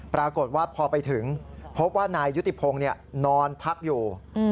ปรากฏว่าพอไปถึงพบว่านายยุติพงศ์นอนพักอยู่